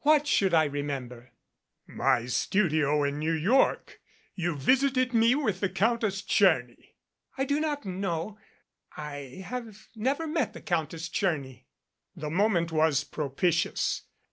What should I remember?" "My studio in New York. You visited me with the Countess Tcherny." "I do not know I have never met the Countess Tcherny." The moment was propitious.